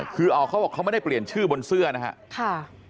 คือเขาบอกเขาไม่ได้เปลี่ยนชื่อบนเสื้อนะครับ